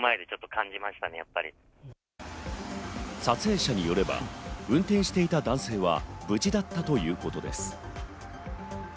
撮影者によれば運転していた男性は無事だったということです。